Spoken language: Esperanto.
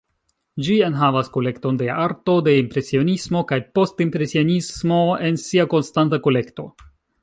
Ĝi enhavas kolekton de arto de Impresionismo kaj Post-impresionismo en sia konstanta kolekto.